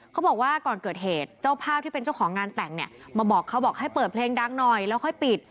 เขาบอกว่าก่อนเกิดเหตุเจ้าภาพที่เป็นเจ้าของงานแต่งเนี่ยมาบอกเขาบอกให้เปิดเพลงดังหน่อยแล้วค่อยปิด